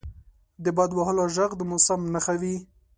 • د باد وهلو ږغ د موسم نښه وي.